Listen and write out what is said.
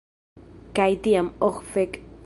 Kaj tiam... Oh fek!